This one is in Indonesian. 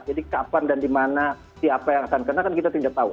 jadi kapan dan di mana siapa yang akan kena kan kita tidak tahu